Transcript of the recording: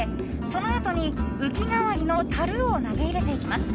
そのあとに浮き代わりのたるを投げ入れていきます。